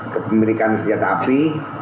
kepemilikan senjata api